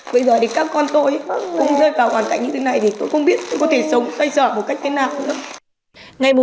bây giờ thì các con tôi cũng rơi vào hoàn cảnh như thế này thì tôi không biết tôi có thể sống xoay sở một cách thế nào nữa